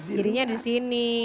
tandanya harus di sini